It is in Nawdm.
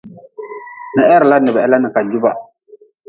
Ni heri la ni ba he la ni ka juba.